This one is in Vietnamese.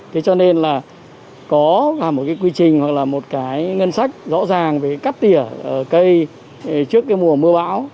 thế cho nên là có cả một cái quy trình hoặc là một cái ngân sách rõ ràng về cắt tỉa cây trước cái mùa mưa bão